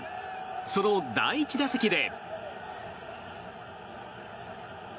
その第１打席で。